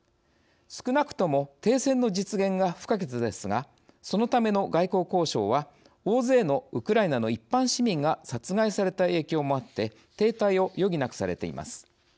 少なくとも、停戦の実現が不可欠ですがそのための外交交渉は大勢のウクライナの一般市民が殺害された影響もあって停滞を余儀なくされています。